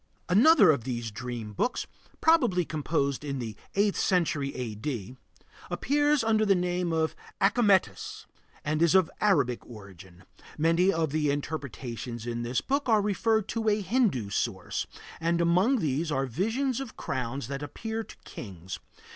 Another of these dream books, probably composed in the eighth century A.D., appears under the name of Achametis and is of Arabic origin. Many of the interpretations in this book are referred to a Hindu source, and among these are visions of crowns that appear to kings.